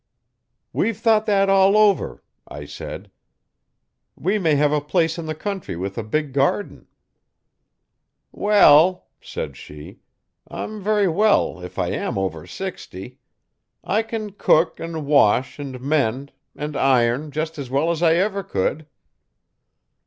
'We've thought that all over,' I said. 'We may have a place in the country with a big garden. 'Well,' said she, 'I'm very well if I am over sixty. I can cook an wash an' mend an' iron just as well as I ever could.'